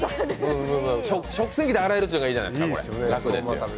食洗機で洗えるというのがいいじゃないですか。